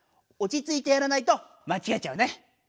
おちついてやらないとまちがえちゃうね。